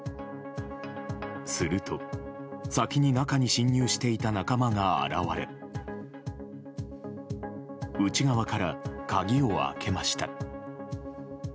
すると、先に中に侵入していた仲間が現れ内側から鍵を開けました。